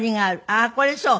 あっこれそう？